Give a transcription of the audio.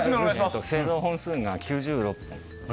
製造本数が９６本。